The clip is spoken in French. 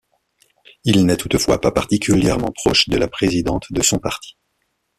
Il n'est toutefois pas particulièrement proche de la présidente de son parti.